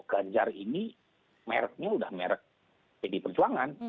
ganjar ini mereknya udah merek pdi perjuangan